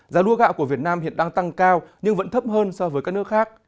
giá lúa gạo của việt nam hiện đang tăng cao nhưng vẫn thấp hơn so với các nước khác